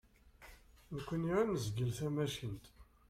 Nekni ad nezgel tamacint.